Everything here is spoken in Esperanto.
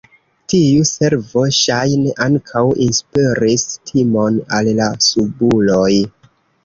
Tiu servo ŝajne ankaŭ inspiris timon al la subuloj.